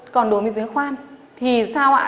còn đối với giếng khoan thì sao ạ